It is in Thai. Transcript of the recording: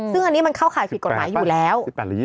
ซึ่งอันนี้มันเข้าข่ายผิดกฎหมายอยู่แล้ว